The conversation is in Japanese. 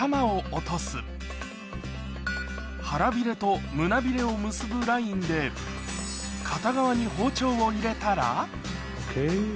腹びれと胸びれを結ぶラインで片側に包丁を入れたらＯＫ。